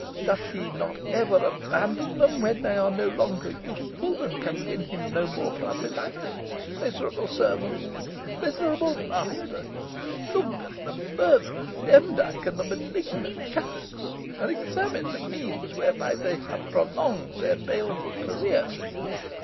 Doth he not ever abandon them when they are no longer useful, and can win him no more proselytes? Miserable servants miserable master! Look at the murtherous Demdike and the malignant Chattox, and examine the means whereby they have prolonged their baleful career.